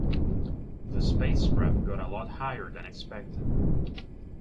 The spacecraft got a lot higher than expected.